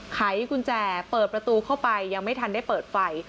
ไขกุญแจเปิดประตูเข้าไปยังไม่ทันได้เปิดไฟ